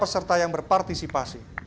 pertama sepak bola yang berpartisipasi